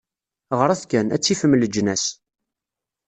Ɣret kan, ad tifem leǧnas.